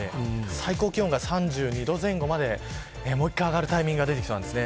最高気温が３２度前後までもう一回上がるタイミングが出てきそうなんです。